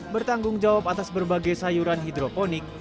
bertanggung jawab atas berbagai sayuran hidroponik